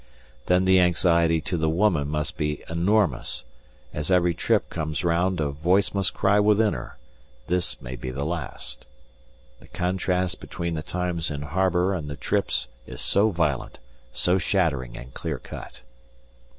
Then the anxiety to the woman must be enormous; as every trip comes round a voice must cry within her, this may be the last. The contrast between the times in harbour and the trips is so violent, so shattering and clear cut.